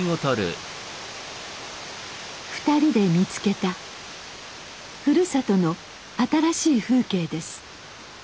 ２人で見つけたふるさとの新しい風景です。